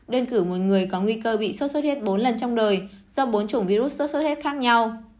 đơn cử một người có nguy cơ bị sốt sốt hết bốn lần trong đời do bốn chủng virus sốt sốt hết khác nhau